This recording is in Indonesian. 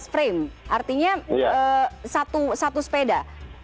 lima belas frame artinya satu sepeda